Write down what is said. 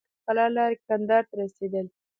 فورسټر له غزني او قلات لاري کندهار ته رسېدلی.